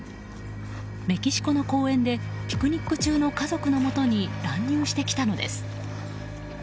メキシコの公園でピクニック中の家族のもとに乱入してきたのです。